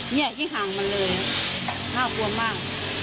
ยิ่งห่างมันเลยห้าปวงมาก